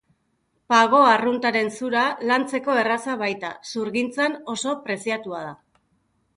Pago arruntaren zura, lantzeko erraza baita, zurgintzan oso preziatua da.